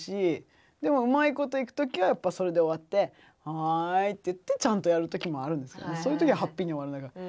でもうまいこといく時はやっぱそれで終わって「はい」って言ってちゃんとやる時もあるんですけどそういう時はハッピーに終わるんだけど。